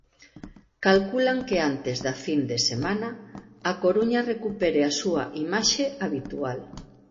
Calculan que antes da fin de semana, A Coruña recupere a súa imaxe habitual.